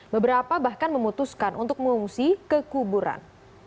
beberapa bahkan memutuskan untuk mengumusi kekuburan